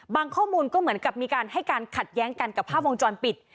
ข้อมูลก็เหมือนกับมีการให้การขัดแย้งกันกับภาพวงจรปิด